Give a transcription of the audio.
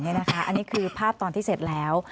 อันนี้คือภาพตอนที่เสร็จแล้ว